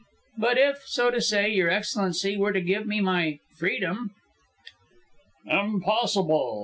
But if, so to say, Your Excellency were to give me my freedom " "Impossible!"